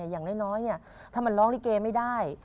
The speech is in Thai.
อย่างน้อยถ้ามันร้องลิเกไม่ได้